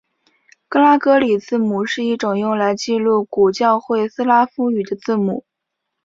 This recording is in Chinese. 格拉哥里字母是第一种用来记录古教会斯拉夫语的字母。